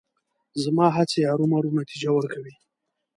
زما هڅې ارومرو نتیجه ورکوي.